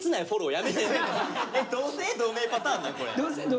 同姓同名パターンなん？